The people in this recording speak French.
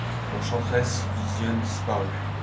L’enchanteresse vision disparut.